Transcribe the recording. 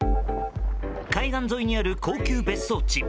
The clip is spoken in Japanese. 海岸沿いにある高級別荘地。